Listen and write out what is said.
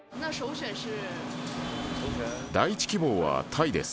第１希望はタイです。